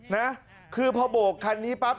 ซึ่งพอบกคันนี้ปั๊บ